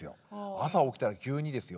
朝起きたら急にですよ。